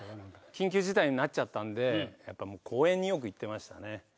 緊急事態になっちゃったんで公園によく行ってましたね。